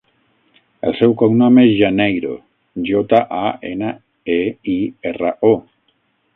El seu cognom és Janeiro: jota, a, ena, e, i, erra, o.